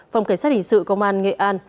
phòng cảnh sát hình sự công an nghệ an